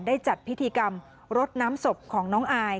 ได้จัดพิธีกรรมรดน้ำศพของน้องอาย